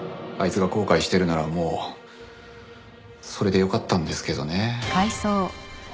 あいつが後悔してるならもうそれでよかったんですけどね。